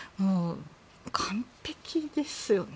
完璧ですよね。